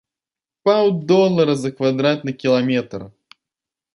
Паўдолара за квадратны кіламетр!